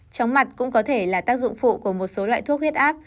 chóng mặt cũng có thể là tác dụng phụ của một số loại thuốc huyết áp